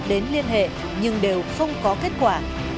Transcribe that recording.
đến liên hệ nhưng đều không có kết quả